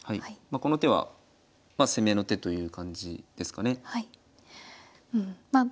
この手は攻めの手という感じですかね。